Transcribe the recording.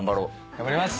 頑張ります。